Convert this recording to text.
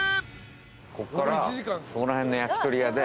こっからそこら辺の焼き鳥屋で。